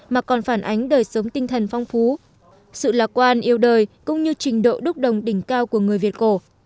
mà còn phản ánh đời sống tinh thần phong phú sự lạc quan yêu đời cũng như trình độ đúc đồng đỉnh cao của người việt cổ